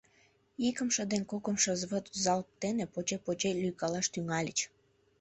Икымше ден кокымшо взвод залп дене поче-поче лӱйкалаш тӱҥальыч.